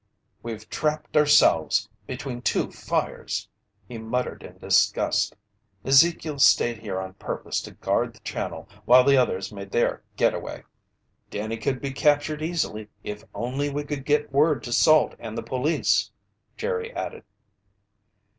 "We've trapped ourselves between two fires!" he muttered in disgust. "Ezekiel stayed here on purpose to guard the channel while the others make their getaway." "Danny could be captured easily if only we could get word to Salt and the police," Jerry added.